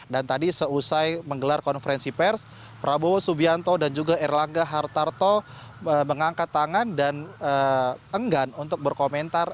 dan tadi seusai menggelar konferensi pers prabowo subianto dan juga erlangga hartarto mengangkat tangan dan enggan untuk berkomentar